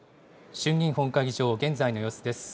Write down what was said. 衆議院本会議場、現在の様子です。